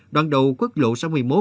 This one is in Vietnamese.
đoạn đầu quốc lộ sáu mươi một